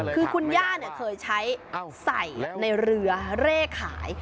คุณย่าเนี่ยเคยใช้ใส่ในเรือเลขขาย